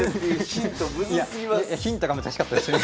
ヒントが難しかったですね。